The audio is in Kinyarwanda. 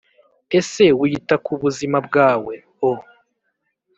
Ese wita ku buzima bwawe O